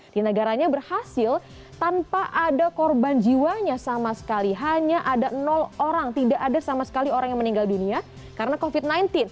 di negaranya berhasil tanpa ada korban jiwanya sama sekali hanya ada orang tidak ada sama sekali orang yang meninggal dunia karena covid sembilan belas